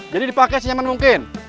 jadi dipakai senyaman mungkin